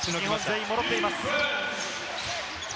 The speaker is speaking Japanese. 全員戻っています。